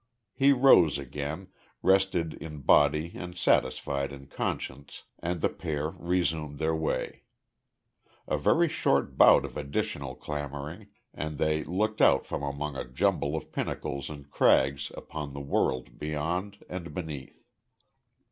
He rose again, rested in body and satisfied in conscience, and the pair resumed their way. A very short bout of additional clambering, and they looked out from among a jumble of pinnacles and crags upon the world beyond and beneath.